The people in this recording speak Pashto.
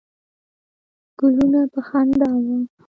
ګلونه په خندا وه.